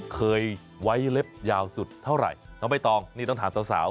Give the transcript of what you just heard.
เคยไว้เล็บยาวสุดเท่าไรน้องน้องต้องนี่ต้องถามเศร้า